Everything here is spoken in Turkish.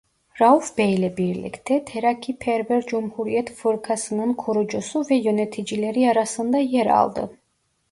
Rauf Bey'le birlikte Terakkiperver Cumhuriyet Fırkası'nın kurucusu ve yöneticileri arasında yer aldı.